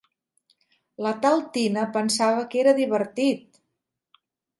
La tal Tina pensava que era divertit!